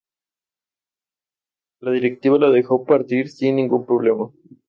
La directiva lo dejó partir sin ningún problema.